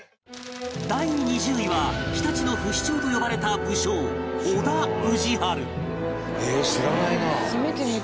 第２０位は常陸の不死鳥と呼ばれた武将小田氏治